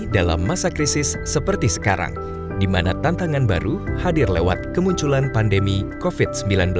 dalam masa krisis seperti sekarang di mana tantangan baru hadir lewat kemunculan pandemi covid sembilan belas